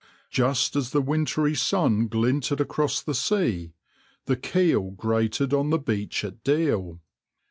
Just as the wintry sun glinted across the sea, the keel grated on the beach at Deal.